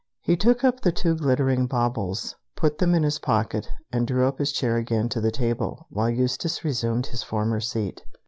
He took up the two glittering baubles, put them in his pocket, and drew up his chair again to the table, while Eustace resumed his former seat.